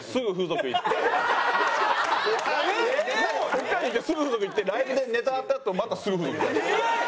北海道行ってすぐ風俗行ってライブでネタやったあとまたすぐ風俗。